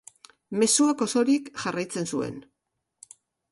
Mezuak osorik jarraitzen zuen.